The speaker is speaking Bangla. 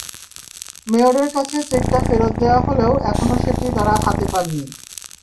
মেয়রের কাছে চেকটা ফেরত দেওয়া হলেও এখনো সেটি তাঁরা হাতে পাননি।